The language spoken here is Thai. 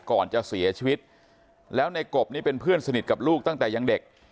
ก่อนจะเสียชีวิตแล้วในกบนี่เป็นเพื่อนสนิทกับลูกตั้งแต่ยังเด็ก